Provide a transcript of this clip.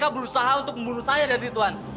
berusaha untuk membunuh saya dan rituan